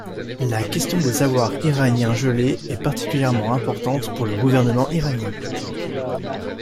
La question des avoirs iraniens gelés est particulièrement importante pour le gouvernement iranien.